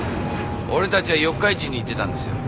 俺たちは四日市に行ってたんですよ。